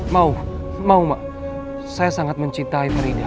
mau mau mak saya sangat mencintai faridah